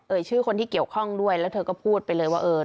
ชื่อคนที่เกี่ยวข้องด้วยแล้วเธอก็พูดไปเลยว่าเออ